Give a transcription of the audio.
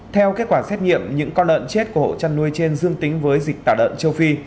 theo kết quả xét nghiệm những con lợn chết của hộ chăn nuôi trên dương tính với dịch tả lợn châu phi